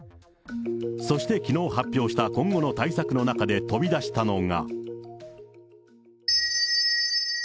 そしてきのう発表した今後の対策の中で飛び出したのが。